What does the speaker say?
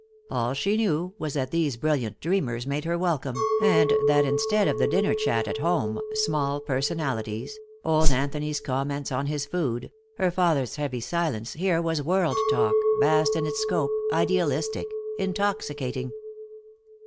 All she knew was that these brilliant dreamers made her welcome, and that instead of the dinner chat at home, small personalities, old Anthony's comments on his food, her father's heavy silence, here was world talk, vast in its scope, idealistic, intoxicating.